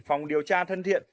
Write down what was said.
phòng điều tra thân thiện